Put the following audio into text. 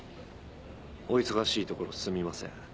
お忙しいところすみません。